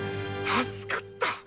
助かった‼